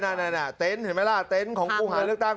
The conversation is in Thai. อ่านี่เห็นไหมล่ะเต็นต์ของทุกคนเลือกตั้ง